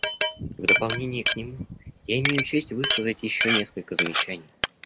В дополнение к нему я имею честь высказать еще несколько замечаний.